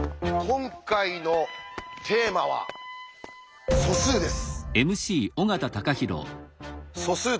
今回のテーマは「素数」です。